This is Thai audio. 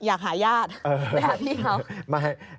อยากหาญาติไปหาพี่เขา